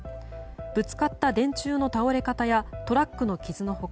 ぶつかった電柱の倒れ方やトラックの傷の他